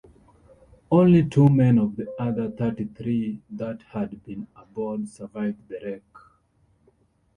Only two men of the other thirty-three that had been aboard survived the wreck.